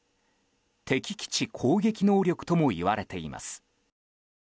敵基地攻撃能力ともいわれています。